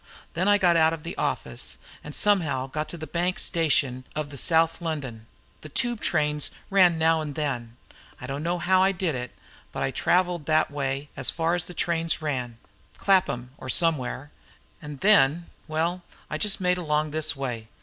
Then I got out of the office, and somehow got to the Bank station of the South London the Tube trains ran now and then. I don't know how I did it, but I travelled that way as far as the train ran Clapham, or somewhere. And then well, I just made along this way.